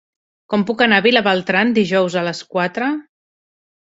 Com puc anar a Vilabertran dijous a les quatre?